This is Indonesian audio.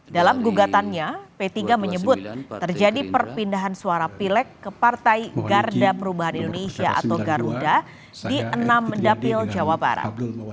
dalam gugatannya p tiga menyebut terjadi perpindahan suara pilek ke partai garda perubahan indonesia atau garuda di enam dapil jawa barat